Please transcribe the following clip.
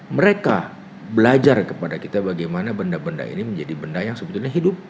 mereka belajar kepada kita bagaimana benda benda ini menjadi benda yang sebetulnya hidup